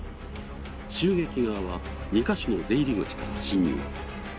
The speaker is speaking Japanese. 襲撃側は２か所の出入り口から侵入